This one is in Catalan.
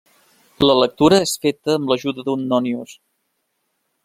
La lectura és feta amb l'ajuda d'un nònius.